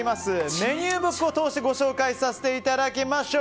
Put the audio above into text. メニューブックを通してご紹介させていただきましょう。